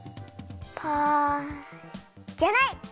パじゃない！